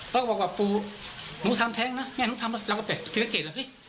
แล้วก็บอกว่าปูหนูทำแท้งนะแม่หนูทำแล้วแล้วก็แตกเกลียดแล้วเฮ้ย